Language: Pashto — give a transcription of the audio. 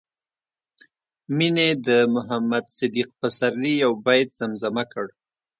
مينې د محمد صديق پسرلي يو بيت زمزمه کړ